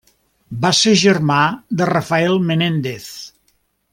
Va ser germà de Rafael Menéndez.